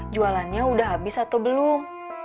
jualannya udah habis atau belum